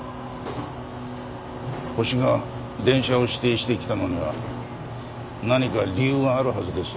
ホシが電車を指定してきたのには何か理由があるはずです。